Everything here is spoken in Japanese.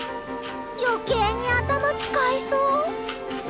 余計に頭使いそう。